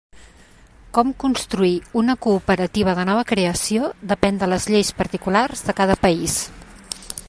Com constituir una cooperativa de nova creació depèn de les lleis particulars de cada país.